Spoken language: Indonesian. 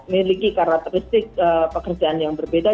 miliki karakteristik pekerjaan yang berbeda